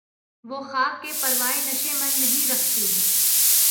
وہ خاک کہ پروائے نشیمن نہیں رکھتی